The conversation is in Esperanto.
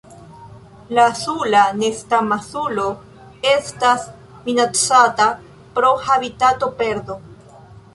La Sula nestamasulo estas minacata pro habitatoperdo.